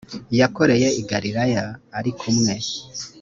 yakoreye i galilaya ari kumwe